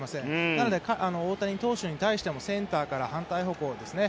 なので大谷投手に対してもセンターから反対方向ですね